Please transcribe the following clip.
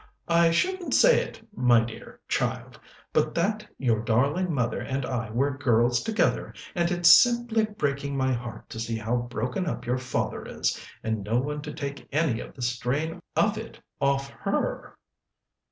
"I shouldn't say it, my dear child, but that your darling mother and I were girls together, and it's simply breaking my heart to see how broken up your father is, and no one to take any of the strain of it off her."